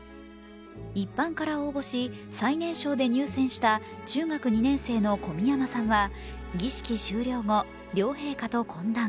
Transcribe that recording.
一般から応募し最年少で入選した中学２年生の小宮山さんは儀式終了後、両陛下と懇談。